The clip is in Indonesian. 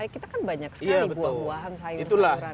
kita kan banyak sekali buah buahan sayur sayuran